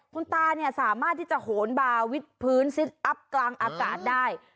คุณตาเนี่ยสามารถที่จะโหนบาวิดพื้นซิดอัพกลางอากาศได้